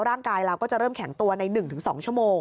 ร่างกายเราก็จะเริ่มแข็งตัวใน๑๒ชั่วโมง